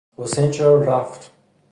حسین چرا رفت؟